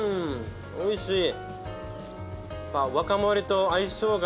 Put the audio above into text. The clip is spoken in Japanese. おいしい。